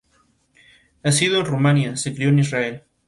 Nacido en Rumanía, se crio en Israel.